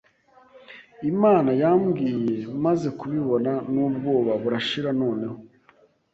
Imana yambwiye maze kubibona n’ubwoba burashira noneho